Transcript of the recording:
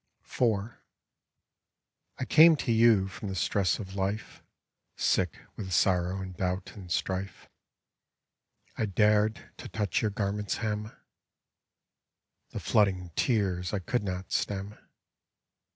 AERE PERENNIUS IV I came to You from the stress of life, Sick with sorrow and doubt and strife. I dared to touch your garment's hem — The flooding tears I could not stem.